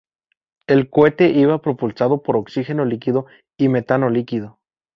El cohete iba propulsado por oxígeno líquido y metano líquido.